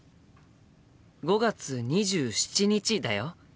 ５月２７日だよ。